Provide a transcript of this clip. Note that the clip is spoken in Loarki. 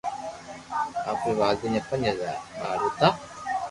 آپري والدين جا پنج ٻار هئا